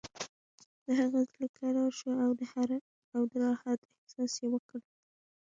د هغه زړه کرار شو او د راحت احساس یې وکړ